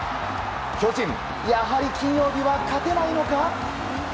巨人、やはり金曜日は勝てないのか？